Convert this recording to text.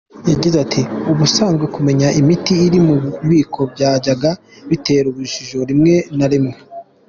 Yagize ati “Ubusanzwe kumenya imiti iri mu bubiko byajyaga bitera urujijo rimwe na rimwe.